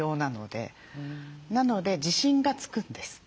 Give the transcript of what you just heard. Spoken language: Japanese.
なので自信がつくんです。